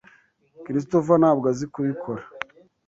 Christopher ntabwo azi kubikora.